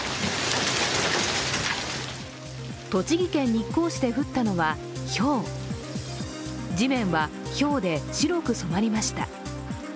栃木県日光市で降ったのは、ひょう地面はひょうで白く染まりました。